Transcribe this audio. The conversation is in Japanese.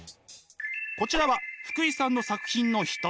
こちらは福井さんの作品の一つ。